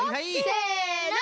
せの！